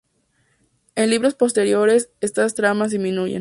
En libros posteriores, estas tramas disminuyen.